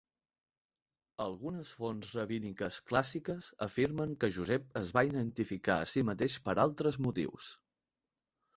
Algunes fonts rabíniques clàssiques afirmen que Josep es va identificar a si mateix per altres motius.